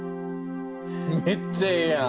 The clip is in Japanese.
めっちゃええやん！